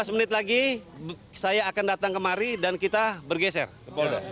lima belas menit lagi saya akan datang kemari dan kita bergeser ke polda